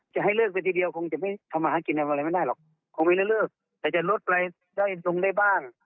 จะให้เลิกไปทีเดียวคงจะไม่ทำอาหารกินทำอะไรไม่ได้หรอกคงไม่ได้เลิกแต่จะลดอะไรได้ลงได้บ้าง